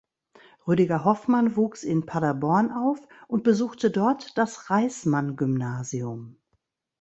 Rüdiger Hoffmann wuchs in Paderborn auf und besuchte dort das Reismann-Gymnasium.